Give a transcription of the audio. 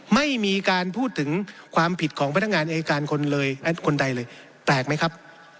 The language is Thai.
ไม่มีการพูดถึงความผิดของพนักงานอายการคนเลยคนใดเลยแปลกไหมครับ